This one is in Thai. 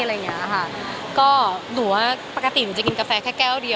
หนูว่าปกติจะกินกาแฟแค่แก้วเดียว